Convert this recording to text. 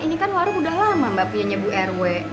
ini kan warung udah lama mbak punya nyewbu rw